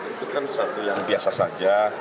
itu kan satu yang biasa saja